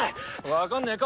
わかんねえか？